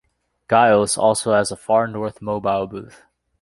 Giles also has a far north mobile booth.